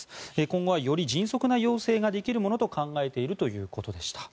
今後はより迅速な要請ができるものと考えているということでした。